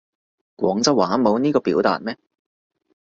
廣州話冇呢個表達咩